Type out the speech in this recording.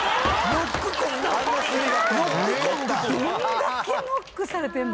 どんだけノックされてるの？